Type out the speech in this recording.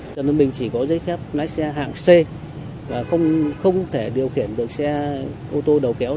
trần văn bình chỉ có giấy phép lái xe hạng c và không thể điều khiển được xe ô tô đầu kéo